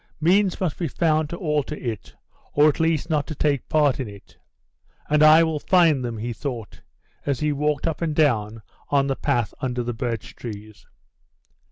Means must be found to alter it, or at least not to take part in it. "And I will find them," he thought, as he walked up and down the path under the birch trees.